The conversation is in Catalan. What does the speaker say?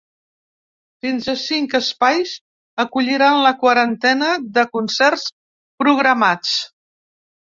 Fins a cinc espais acolliran la quarantena de concerts programats.